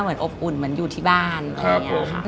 อบอุ่นเหมือนอยู่ที่บ้านอะไรอย่างนี้ค่ะ